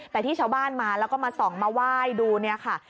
แต่ที่ชาวบ้านมาแล้วก็มาส่องมาไหว้ดูเนี่ยค่ะ